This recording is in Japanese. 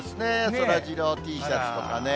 そらジローＴシャツとかね。